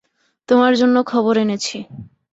তোমার জন্য খবর এনেছি।